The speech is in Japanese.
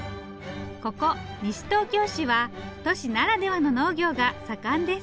ここ西東京市は都市ならではの農業が盛んです。